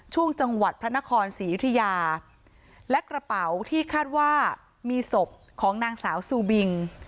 จังหวัดพระนครศรียุธยาและกระเป๋าที่คาดว่ามีศพของนางสาวซูบิง